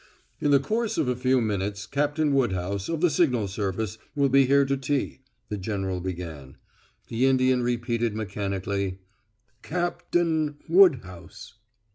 "In the course of a few minutes, Captain Woodhouse, of the signal service, will be here to tea," the general began. The Indian repeated mechanically: "Cap tain Wood house."